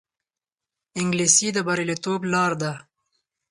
انګلیسي د بریالیتوب لار ده